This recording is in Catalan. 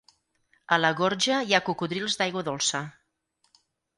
A la gorja hi ha cocodrils d'aigua dolça.